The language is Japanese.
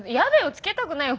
つけたくないよ。